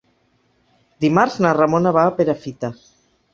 Dimarts na Ramona va a Perafita.